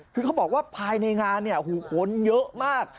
คือเขาบอกว่าภายในงานหูคนเยอะมาก